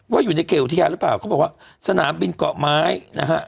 ว่าอยู่ในเขตอุทยานหรือเปล่าเขาบอกว่าสนามบินเกาะไม้นะฮะ